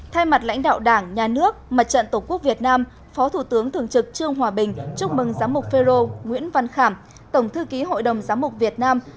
thay mặt lãnh đạo đảng nhà nước mặt trận tổ quốc việt nam phó thủ tướng thường trực trương hòa bình chúc mừng giám mục phê rô nguyễn văn khảm tổng thư ký hội đồng giám mục việt nam